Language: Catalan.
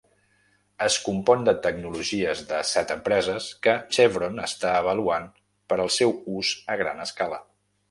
Es compon de tecnologies de set empreses que Chevron està avaluant per al seu ús a gran escala.